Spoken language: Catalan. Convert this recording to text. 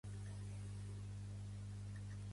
Hafez va néixer a Shiraz, Iran.